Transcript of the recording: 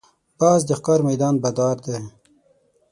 باز د ښکار میدان بادار دی